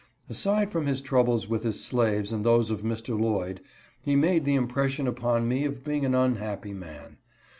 Aside from his troubles with his slaves and those of Mr. Lloyd, he made the impression upon me of being an unhappy man.